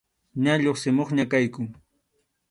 Ña lluqsimuqña kayku.